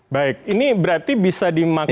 baik ini berarti bisa dimaksud